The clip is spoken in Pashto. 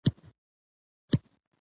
سوله سره وکړه.